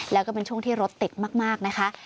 แล้วก็เป็นช่วงที่รถติดมากนะคะ